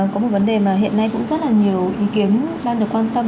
có một vấn đề mà hiện nay cũng rất là nhiều ý kiến đang được quan tâm